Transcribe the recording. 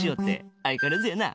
相変わらずやな。